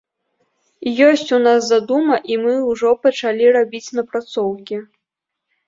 Ёсць у нас задума, і мы ўжо пачалі рабіць напрацоўкі.